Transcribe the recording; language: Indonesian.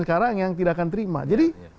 sekarang yang tidak akan terima jadi